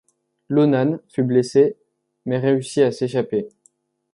Lonán fut blessé mais réussit à s’échapper.